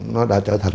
nó đã trở thành